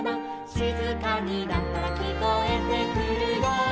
「しずかになったらきこえてくるよ」